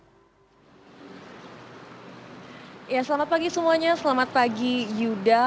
ya selamat pagi semuanya selamat pagi yuda